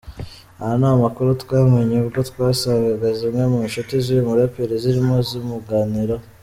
Aya ni amakuru twamenye ubwo twasangaga zimwe mu nshuti z’uyu muraperi zirimo zimuganiraho.